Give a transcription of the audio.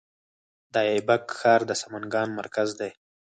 د ایبک ښار د سمنګان مرکز دی